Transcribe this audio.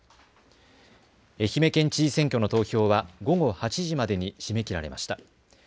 愛媛県知事選挙の投票は午後８時までに締め切られました。